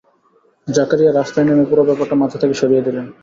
জাকারিয়া রাস্তায় নেমে পুরো ব্যাপারটা মাথা থেকে সরিয়ে দিলেন।